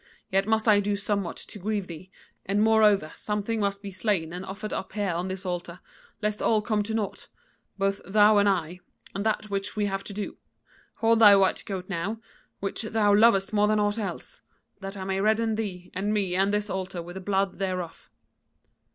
Yet must I do somewhat to grieve thee, and moreover something must be slain and offered up here on this altar, lest all come to naught, both thou and I, and that which we have to do. Hold thy white goat now, which thou lovest more than aught else, that I may redden thee and me and this altar with the blood thereof.'